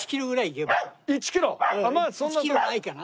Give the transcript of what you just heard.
１キロないかな。